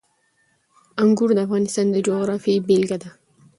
انګور د افغانستان د جغرافیې بېلګه ده.